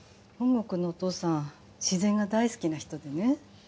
本郷くんのお父さん自然が大好きな人でね。